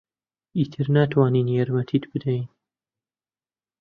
ئیتر ناتوانین یارمەتیت بدەین.